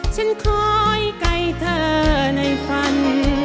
ฉันคอยไกลเธอในฝัน